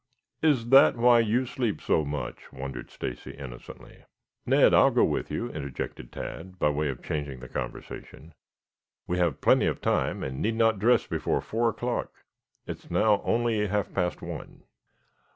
"Is that why you sleep so much?" wondered Stacy innocently. "Ned, I will go with you," interjected Tad, by way of changing the conversation. "We have plenty of time, and need not dress before four o'clock. It is now only half past one."